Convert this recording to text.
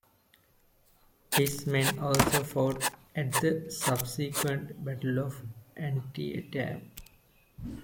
His men also fought at the subsequent Battle of Antietam.